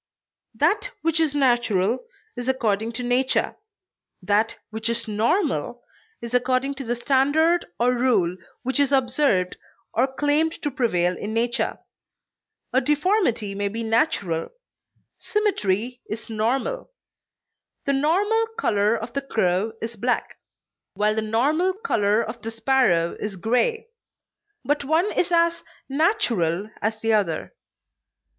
That which is natural is according to nature; that which is normal is according to the standard or rule which is observed or claimed to prevail in nature; a deformity may be natural, symmetry is normal; the normal color of the crow is black, while the normal color of the sparrow is gray, but one is as natural as the other.